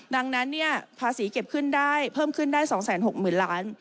ดังนั้นภาษีเก็บขึ้นได้เพิ่มขึ้นได้๒๖๐๐๐ล้าน